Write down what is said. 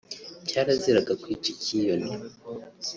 Cyaraziraga kwica icyiyoni